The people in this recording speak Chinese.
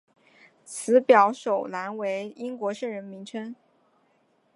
本表首栏为英文圣人名称。